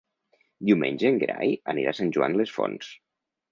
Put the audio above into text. Diumenge en Gerai anirà a Sant Joan les Fonts.